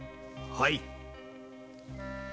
はい。